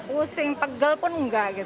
yang pegel pun enggak